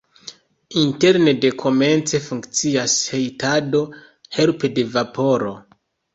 Interne dekomence funkcias hejtado helpe de vaporo.